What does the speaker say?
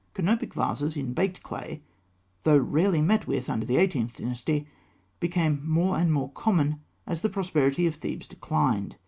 Canopic vases in baked clay, though rarely met with under the Eighteenth Dynasty, became more and more common as the prosperity of Thebes declined.